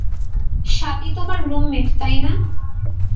স্বাতী তোমার রুমমেট, তাই না?